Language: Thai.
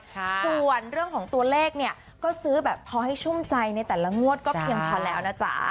ส่วนเรื่องของตัวเลขเนี่ยก็ซื้อแบบพอให้ชุ่มใจในแต่ละงวดก็เพียงพอแล้วนะจ๊ะ